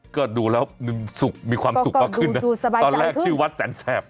ก็ดูแล้วมีความสุขมากขึ้นนะตอนแรกชื่อวัดแสนแสบ